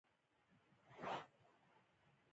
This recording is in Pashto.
د افغان قبایلو مشران د احمدشاه بابا تر شا ودرېدل.